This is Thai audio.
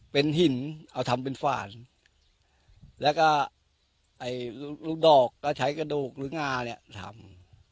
เป็นหินเอาทำเป็นฝานและก็ไอลูกดอกเอากดูกรึง่าเนี่ยทำ